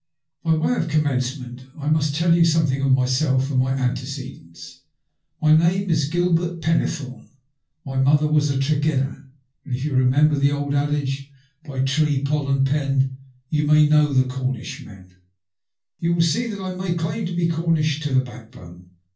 By way of commencement I must tell you some thing of myself and my antecedents. My name is Gilbert Fennethome ; my mother was a Tregenna, and if you remember the old adage —" By Tre— , Pol— and Pen— Yon may know the Comishmen," you will see that I may claim to be Cornish to the backbone.